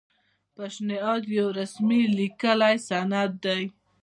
پیشنهاد یو رسمي لیکلی سند دی.